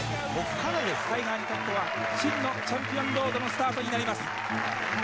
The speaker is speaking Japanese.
タイガーにとっては、真のチャンピオンロードのスタートになります。